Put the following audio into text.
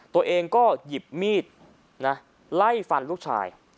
ตัวเองก็หยิบมีดไล่ฟันลูกชาย